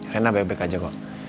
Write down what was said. reina baik baik aja kok